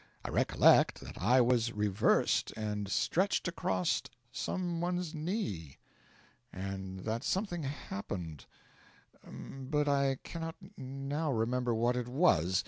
I recollect that I was reversed and stretched across some one's knee, and that something happened, but I cannot now remember what it was.